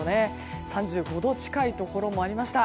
３５度近いところもありました。